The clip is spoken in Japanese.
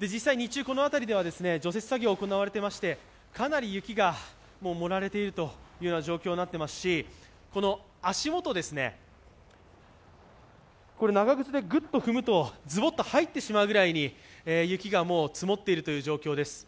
実際、日中、この辺りでは除雪作業が行われていましてかなり雪が盛られているという状況になっていますし、足元、長靴でぐっと踏むとずぼっと入ってしまうぐらいに雪が積もっているという状況です。